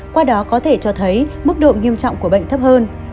qua đó có thể cho thấy mức độ nghiêm trọng của bệnh thấp hơn